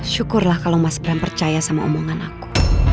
syukurlah kalau mas bram percaya sama omongan aku